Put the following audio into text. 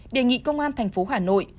đề nghị công an thành phố hà nội